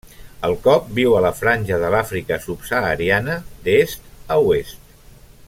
El cob viu a la franja de l'Àfrica subsahariana, d'est a oest.